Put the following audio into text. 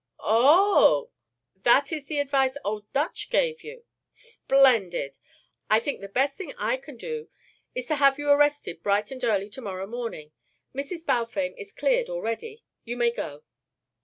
"O h h! That is the advice Old Dutch gave you! Splendid! I think the best thing I can do is to have you arrested bright and early to morrow morning. Mrs. Balfame is cleared already. You may go."